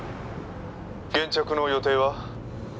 「現着の予定は？」